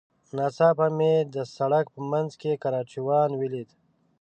ناڅاپه مې د سړک په منځ کې کراچيوان وليد.